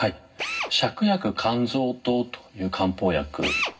芍薬甘草湯という漢方薬が。